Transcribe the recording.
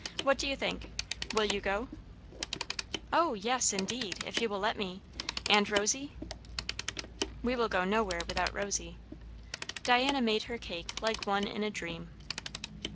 "What do you think? Will you go?" "O yes, indeed! if you will let me. And Rosy?" "We will go nowhere without Rosy." Diana made her cake like one in a dream.